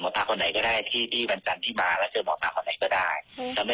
หมอตาคนไหนก็ได้ที่บรรจันที่มาแล้วเจอหมอตาคนไหนก็ได้